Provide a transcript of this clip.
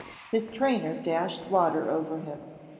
His trainer dashed water over him.